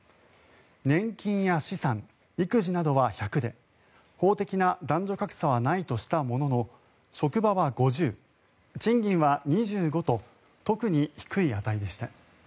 年金や資産、育児などは１００で法的な男女格差はないとしたものの職場は５０、賃金は２５と特に低い値でした。